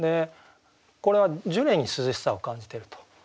これはジュレに涼しさを感じてると。